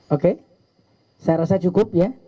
oke saya rasa cukup ya